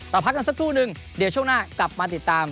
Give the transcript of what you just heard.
พักกันสักครู่นึงเดี๋ยวช่วงหน้ากลับมาติดตาม